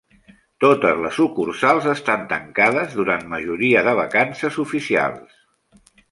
Totes les sucursals estan tancades durant majoria de vacances oficials.